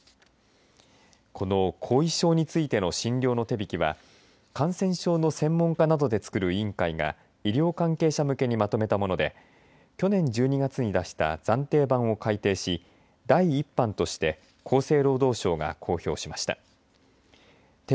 この後遺症についての診療の手引きは感染症の専門家などでつくる委員会が医療関係者向けにまとめたもので去年１２月に出した暫定版を改訂し第１版として厚生労働省が公表しました。